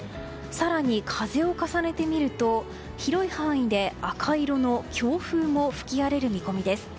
更に、風を重ねてみると広い範囲で、赤色の強風も吹き荒れる見込みです。